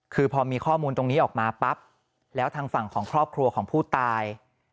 คือพอมีข้อมูลตรงนี้ออกมาปั๊บแล้วทางฝั่งของครอบครัวของผู้ตาย